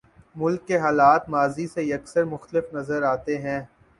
ملک کے حالات ماضی سے یکسر مختلف نظر آتے ہیں۔